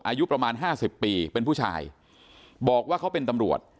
อายุประมาณห้าสิบปีเป็นผู้ชายบอกว่าเขาเป็นตำรวจ